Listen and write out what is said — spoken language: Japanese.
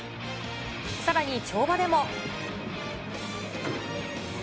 さらに跳馬でも。